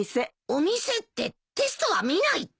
「お見せ」ってテストは見ないって。